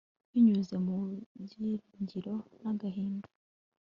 Binyuze mu byiringiro nagahinda